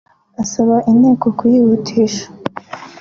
asaba Inteko kuyihutisha